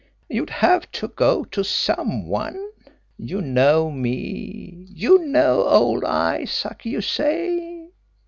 You'd have to go to some one. You know me; you know old Isaac, you say.